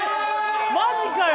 ・マジかよ！